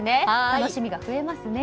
楽しみが増えますね。